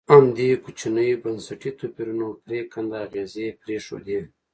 همدې کوچنیو بنسټي توپیرونو پرېکنده اغېزې پرېښودې.